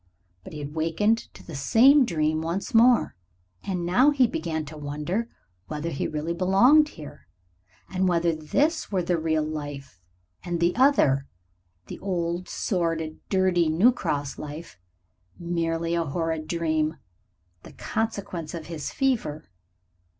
But he had wakened to the same dream once more, and now he began to wonder whether he really belonged here, and whether this were the real life, and the other the old, sordid, dirty New Cross life merely a horrid dream, the consequence of his fever.